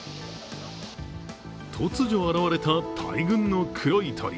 突如現れた大群の黒い鳥